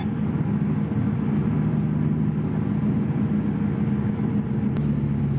ว้าว